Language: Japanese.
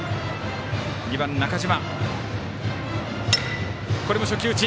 ２番、中島。